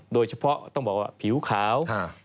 โดยเฉพาะต้องบอกว่าผิวขาว